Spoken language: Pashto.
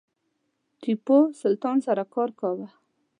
ټیپو سلطان سره کار کاوه.